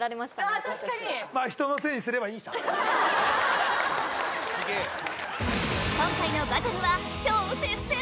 確かに今回のバトルは超接戦！